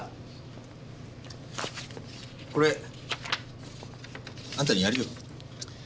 これあんたにやるよ。